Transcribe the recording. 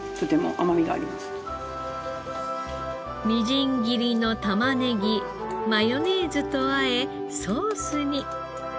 みじん切りの玉ねぎマヨネーズとあえソースに。